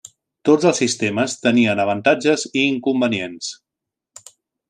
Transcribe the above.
Tots els sistemes tenien avantatges i inconvenients.